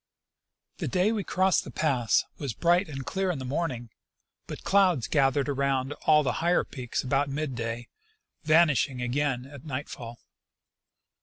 The day we crossed the pass was bright and clear in the morn ing, but clouds gathered around all the higher peaks about mid day, vanishing again at nightfall.